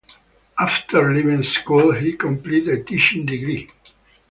After leaving school he completed a teaching degree.